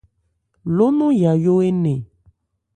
Ló nɔn yayó énɛn.